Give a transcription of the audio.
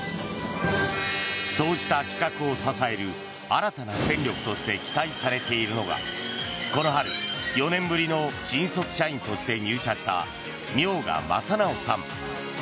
そうした企画を支える新たな戦力として期待されているのがこの春、４年ぶりの新卒社員として入社した明賀雅直さん。